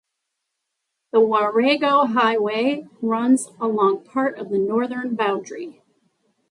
The Warrego Highway runs along part of the northern boundary.